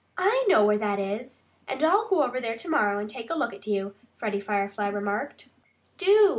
"I know where that is; and I'll go over there to morrow and take a look at you," Freddie Firefly remarked. "Do!"